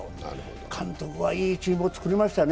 監督はいいチームを作りましたね。